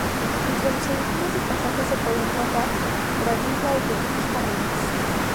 Entre los edificios y pasajes se podía encontrar gravilla y pequeños jardines.